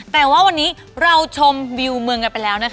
แต่ว่าวันนี้เราชมวิวเมืองกันไปแล้วนะคะ